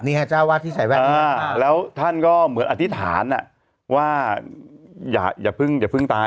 นี่แหละเจ้าอาวาสที่ใส่แวดนี่แหละแล้วท่านก็เหมือนอธิษฐานอะว่าอย่าพึ่งตาย